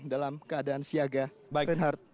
dan dalam keadaan siaga reinhardt